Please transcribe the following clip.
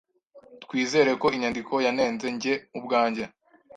Twizere ko inyandiko yanenze njye ubwanjye